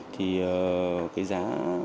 thì cái giá